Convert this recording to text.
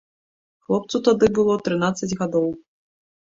Хлопцу тады было трынаццаць гадоў.